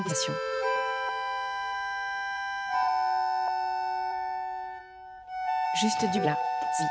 はい。